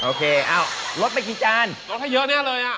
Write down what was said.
โอเคอ้าวลดไปกี่จานลดให้เยอะแน่เลยอ่ะ